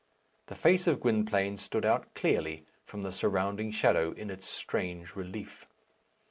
The face of Gwynplaine stood out clearly from the surrounding shadow in its strange relief.